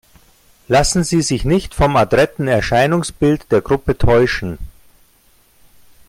Lassen Sie sich nicht vom adretten Erscheinungsbild der Gruppe täuschen!